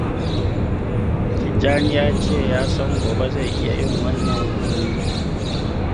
Tijjani ya ce ya san gobe zai iya yin wannan gobe.